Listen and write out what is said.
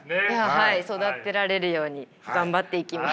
はい育てられるように頑張っていきます。